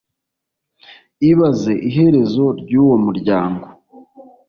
Ibaze iherezo ryuwo muryango